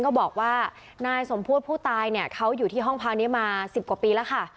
ก็บอกว่านายสมโพธิผู้ตายเนี่ยเขาอยู่ที่ห้องพักนี้มา๑๐กว่าปีแล้วค่ะ